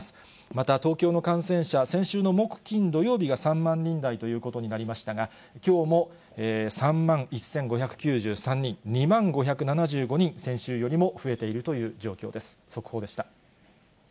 また、東京の感染者、先週の木、金、土曜日が３万人台ということになりましたが、きょうも３万１５９３人、２万５７５人、先週よりも増えているという状況です。